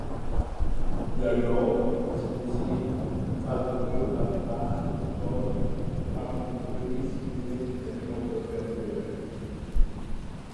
The gold was initially alluvial gold found in gullies leading to the Copperfield River.